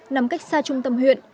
nằm cách xa trung tâm huyện